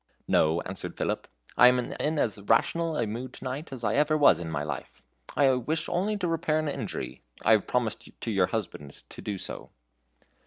"No," answered Philip, "I am in as rational a mood to night as I ever was in my life. I wish only to repair an injury; I have promised to your husband to do so."